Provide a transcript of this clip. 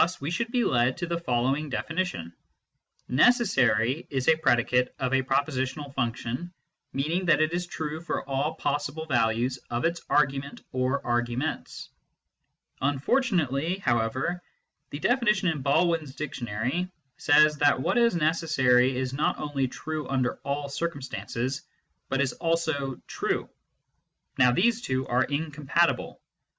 Thus we should be led to the following definition :" NECESSARY is a predicate of a propositional function, meaning that it is true for all possible values of its argument or arguments." Unfortunately, however, the definition in Baldwin s Dictionary says that what is necessary is not only " true under all circumstances " Bjit is also " true." Now these two are incompatible.